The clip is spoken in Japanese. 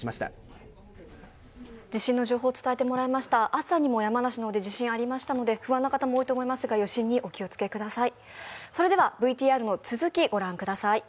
朝にも山梨で地震がありましたので、不安な方も多いと思いますが余震に気をつけてください。